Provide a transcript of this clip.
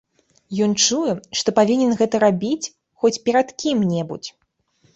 Ён чуе, што павінен гэта рабіць хоць перад кім-небудзь.